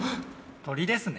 鳥ですね。